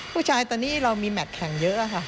ผู้ชายตอนนี้เรามีแมทแข่งเยอะค่ะ